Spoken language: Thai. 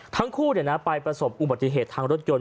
ทั้งคู่ไปประสบอุบัติเหตุทางรถยนต์